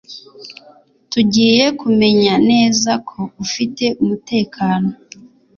Tugiye kumenya neza ko ufite umutekano